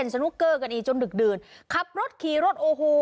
สนุกเกอร์กันอีกจนดึกดื่นขับรถขี่รถโอ้โห